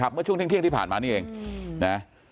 เมื่อช่วงเที่ยงที่ผ่านมานี่เองนะ